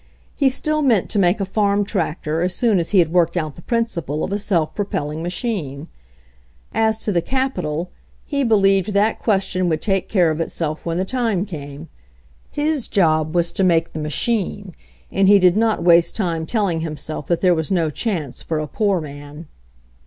He still meant to make a farm tractor, as soon as he had worked out the principle of a self propelling ma chine. As to the capital, he believed that question would take care of itself when the time came. His job was to make the machine, and he did not waste time telling himself that there was no chance for a poor man.